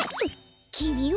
きみは！？